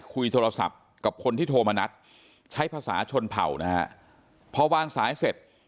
คุยโทรศัพท์กับคนที่โทรมานัดใช้ภาษาชนเผ่านะฮะพอวางสายเสร็จ